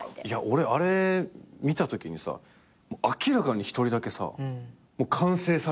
俺あれ見たときにさ明らかに１人だけさ完成された子がいるわけよ。